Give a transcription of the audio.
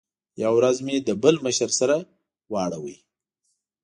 یوه ورځ مې له بل مشر سره واړاوه.